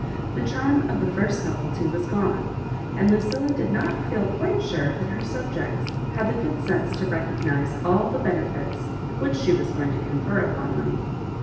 The charm of the first novelty was gone, and Lucilla did not feel quite sure that her subjects had the good sense to recognise all the benefits which she was going to confer upon them.